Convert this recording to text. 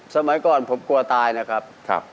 สมัยก่อนผมกลัวตายนะครับ